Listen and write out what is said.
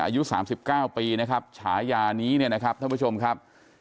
อายุ๓๙ปีนะครับฉายานี้เนี่ยนะครับท่านผู้ชมครับ